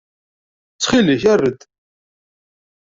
Ttxil-k err-d.